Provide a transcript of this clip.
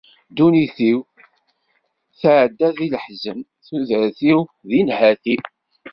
Ddunit-iw tɛedda di leḥzen, tudert-iw di nnhati.